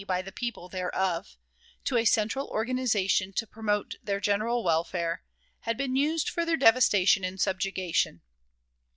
by the people thereof, to a central organization to promote their general welfare, had been used for their devastation and subjugation.